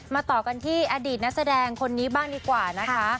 ต่อกันที่อดีตนักแสดงคนนี้บ้างดีกว่านะคะ